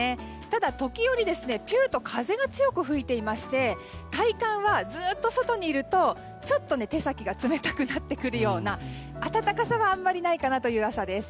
ただ、時折風が強く吹いていまして体感は、ずっと外にいるとちょっと手先が冷たくなるような暖かさはあまりないかなという朝です。